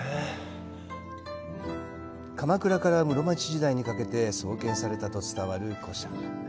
鎌倉から室町時代にかけて創建されたと伝わる古社。